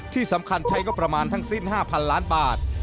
ที่สำคัญใช้งบประมาณทั้งสิ้น๕๐๐๐ล้านบาท